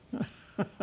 フフフフ。